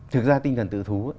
thực ra tinh thần tự thú